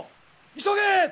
急げ！